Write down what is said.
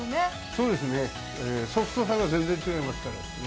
そうですね、ソフトさが全然違いますから。